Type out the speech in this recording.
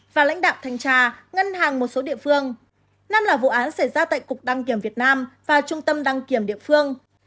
và lãnh đạo thanh tra ngân hàng một số địa phương năm là vụ án xảy ra tại cục đăng kiểm việt nam và trung tâm đăng kiểm địa phương